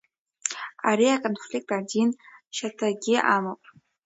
Ари аконфликт адин шьаҭагьы амоуп.